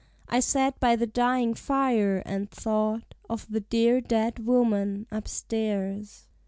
I sat by the dying fire, and thought Of the dear dead woman upstairs.